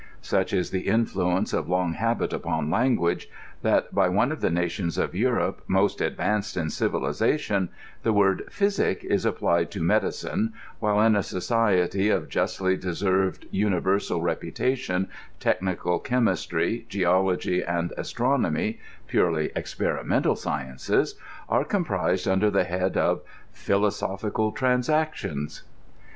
Such is the influence of long habit upon language, that by one of the nations of Europe most advanced in civilization the word " physic" is applied to medicine, while in a society of justly deserved universal reputation, technical chemistry, geology, and astronomy (purely experimental sciences) are comprised! under the head of " Philosophical Transactioi^."